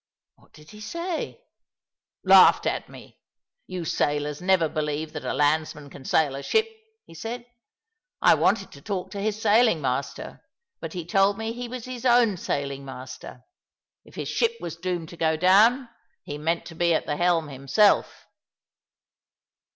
i "What did he say?" ' "Laughed at me. *You sailors never believe that a landsman can sail a ship,' he said. I wanted to talk to his sailing master, but he told me he was his own sailing master. If his ship was doomed to go down, he meant to be at the helm himself."